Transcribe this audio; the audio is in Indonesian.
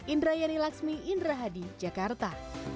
indra yari laksmi indra hadi jakarta